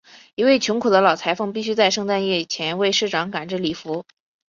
一位穷苦的老裁缝必须在圣诞夜前为市长赶制礼服。